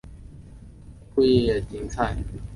库页堇菜为堇菜科堇菜属的植物。